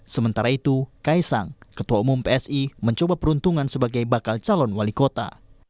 sementara itu kaisang ketua umum psi mencoba peruntungan sebagai bakal calon wali kota